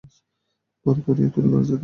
বড় তরীও তৈরি করছি আমরা?